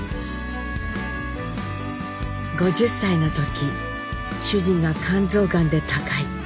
「５０才の時主人が肝臓癌で他界。